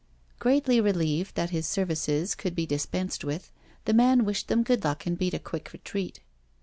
Greatly relieved that his services could be dispensed witlv the man wished them good luck and beat a quick retreat.